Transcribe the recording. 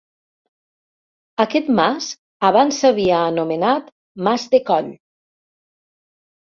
Aquest mas abans s'havia anomenat Mas de Coll.